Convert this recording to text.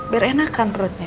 biar enakan perutnya